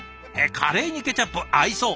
カレーにケチャップ合いそう。